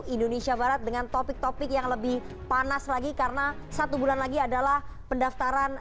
indonesia barat dengan topik topik yang lebih panas lagi karena satu bulan lagi adalah pendaftaran